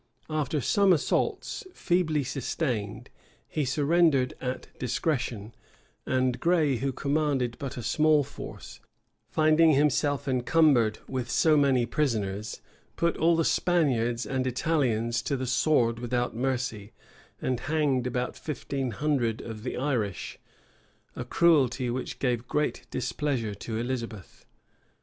After some assaults, feebly sustained, he surrendered at discretion; and Gray, who commanded but a small force, finding himself encumbered with so many prisoners, put all the Spaniards and Italians to the sword without mercy, and hanged about fifteen hundred of the Irish; a cruelty which gave great displeasure to Elizabeth.